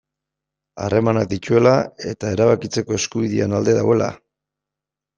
Harremanak dituela eta erabakitzeko eskubidearen alde daudela.